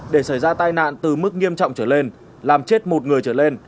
để xảy ra tai nạn từ mức nghiêm trọng trở lên làm chết một người trở lên